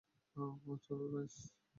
চলো, লুইস।